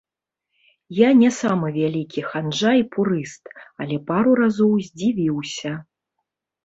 Я не самы вялікі ханжа і пурыст, але пару разоў здзівіўся.